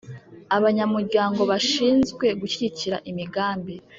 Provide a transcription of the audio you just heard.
Abanyamuryango bashinzwe gushyigikira imigambi.